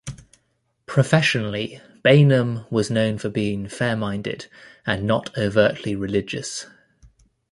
Professionally Bainum was known for being fair-minded and not overtly religious.